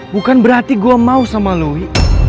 bukan berarti gue mau sama louis